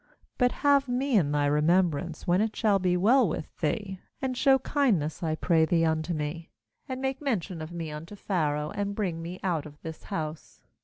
14But have me in thy remembrance when it shall be well with thee, and show kindness, I pray thee, unto me, and make mention of me unto Pharaoh, and bring me out of this house.